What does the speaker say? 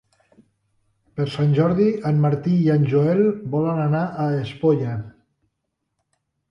Per Sant Jordi en Martí i en Joel volen anar a Espolla.